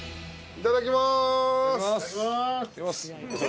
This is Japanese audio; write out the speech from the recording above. いただきます！